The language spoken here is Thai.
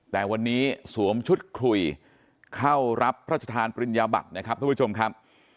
แต่วันนี้สวมชุดคุยเข้ารับพระชธานปริญญาบัตรนะครับทุกผู้ชมครับ